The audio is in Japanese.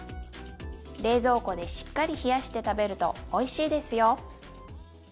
冷蔵庫でしっかり冷やして食べるとおいしいですよ。